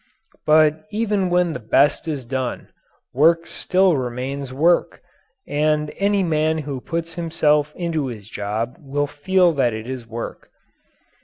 But even when the best is done, work still remains work, and any man who puts himself into his job will feel that it is work.